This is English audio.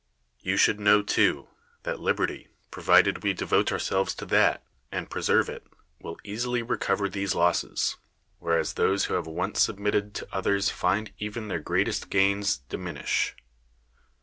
You should know, too, that liberty, pro vided we devote ourselves to tJtat, and preserve it, will easily recover these losses ; whereas those who have once submitted to others find even their greatest gains diminish.